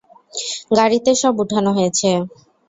গাড়িতে সব উঠানো হয়েছে।